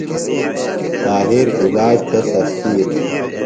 طاہر علاج تھےۡ سستیلوۡ۔